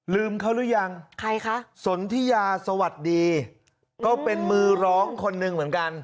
ลืมเขาหรือยังใครคะสนทิยาสวัสดีก็เป็นมือร้องคนหนึ่งเหมือนกัน